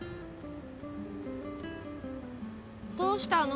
どうしたの？